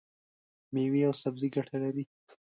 مېوې او سبزي ګټه لري.